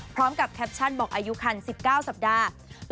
พร้อมกับแคปชั่นบอกอายุคัน๑๙สัปดาห์